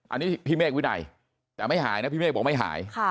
อันนี้นี่ผี่เมฆวินัยแต่ไม่หายนะ